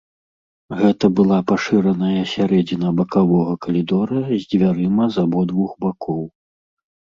Гэта была пашыраная сярэдзіна бакавога калідора з дзвярыма з абодвух бакоў.